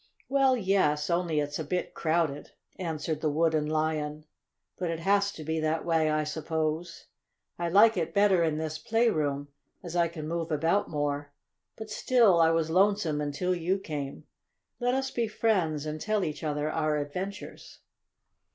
"Well, yes, only it's a bit crowded," answered the Wooden Lion. "But it has to be that way, I suppose. I like it better in this playroom, as I can move about more. But still I was lonesome until you came. Let us be friends, and tell each other our adventures."